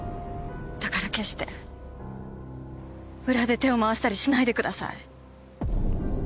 だから決して裏で手を回したりしないでください。